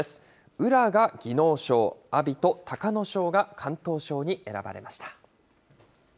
宇良が技能賞、阿炎と隆の勝が敢闘賞に選ばれました。